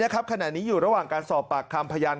ขณะนี้อยู่ระหว่างการสอบปากคำพยาน